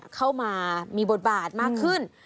เข้ามามีบทบาทมากขึ้น